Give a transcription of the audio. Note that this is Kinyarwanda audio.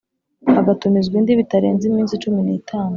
hagatumizwa indi bitarenze iminsi cumi n itanu